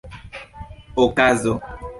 okazo